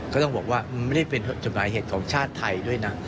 ก็ต้องบอกว่ามันไม่ได้เป็นจดหมายเหตุของชาติไทยด้วยนะ